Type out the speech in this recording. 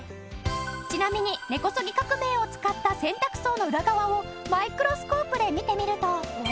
ちなみに根こそぎ革命を使った洗濯槽の裏側をマイクロスコープで見てみると。